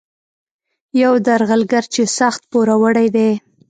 یو درغلګر چې سخت پوروړی دی.